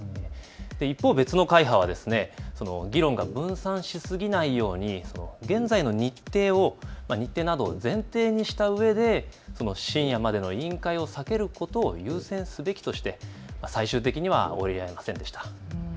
一方別の会派は議論が分散しすぎないように現在の日程などを前提にしたうえで深夜までの委員会を避けることを優先すべきとして最終的には折り合えませんでした。